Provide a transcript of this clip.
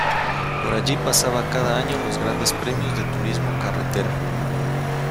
Por allí pasaba cada año los grandes premios de Turismo Carretera.